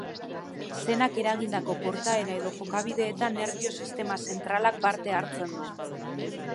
Senak eragindako portaera edo jokabideetan nerbio-sistema zentralak parte hartzen du.